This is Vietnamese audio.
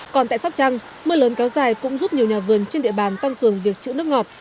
còn tại sóc trăng mưa lớn kéo dài cũng giúp nhiều nhà vườn trên địa bàn tăng cường việc chữ nước ngọt